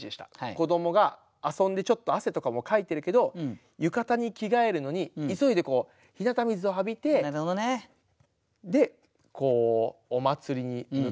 子どもが遊んでちょっと汗とかもかいてるけど浴衣に着替えるのに急いで日向水を浴びてでお祭りに向かう。